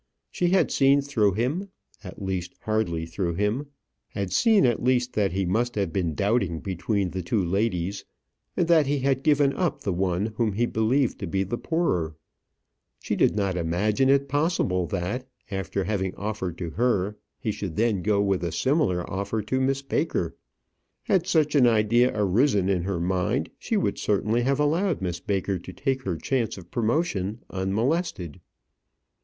She had seen through him at least, hardly through him; had seen at least that he must have been doubting between the two ladies, and that he had given up the one whom he believed to be the poorer. She did not imagine it possible that, after having offered to her, he should then go with a similar offer to Miss Baker. Had such an idea arisen in her mind, she would certainly have allowed Miss Baker to take her chance of promotion unmolested.